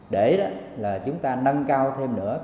để chúng ta nâng cao thêm nữa